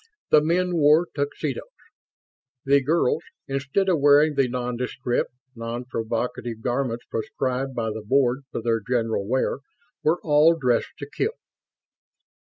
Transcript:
The men wore tuxedos. The girls, instead of wearing the nondescript, non provocative garments prescribed by the Board for their general wear, were all dressed to kill.